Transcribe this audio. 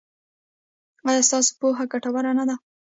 ایا ستاسو پوهه ګټوره نه ده؟